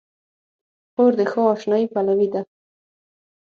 خور د ښو اشنايي پلوي ده.